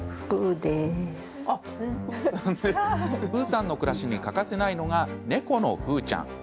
楓さんの暮らしに欠かせないのが猫の楓ちゃん。